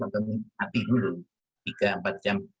atau mati dulu tiga empat jam